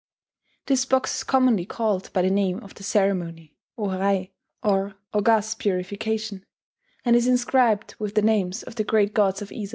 This box is commonly called by the name of the ceremony, o harai, or "august purification," and is inscribed with the names of the great gods of Ise.